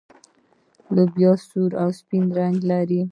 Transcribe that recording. لوبیا سور او سپین رنګ لري.